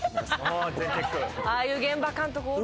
ああいう現場監督おる。